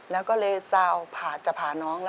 แล้วก็เลยซาวผ่าจะผ่าน้อง